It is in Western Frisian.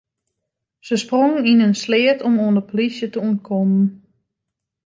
Se sprongen yn in sleat om oan de polysje te ûntkommen.